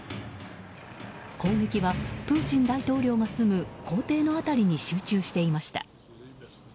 攻撃は、プーチン大統領が住む公邸の辺りに集中していました。